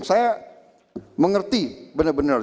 saya mengerti benar benar